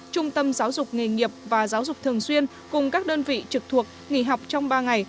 trung tâm giáo dục nghề nghiệp và giáo dục thường xuyên cùng các đơn vị trực thuộc nghỉ học trong ba ngày